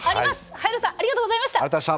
早野さんありがとうございました。